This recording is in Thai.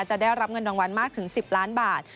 จะได้รับเงินรางวัลมากถึง๑๐ล้านบาท